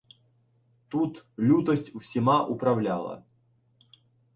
Тут лютость всіми управляла